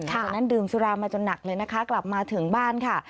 จากนั้นดื่มสุรามาจนหนักเลยนะคะกลับมาถึงบ้านค่ะ